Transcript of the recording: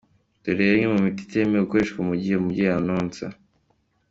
Dore rero imwe mu miti itemewe gukoreshwa mu gihe umubyeyi anonsa.